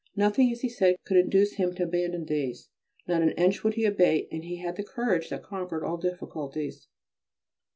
Nothing, as he said, could induce him to abandon these; not an inch would he abate, and he had a courage that conquered all difficulties.